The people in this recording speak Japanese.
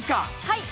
はい。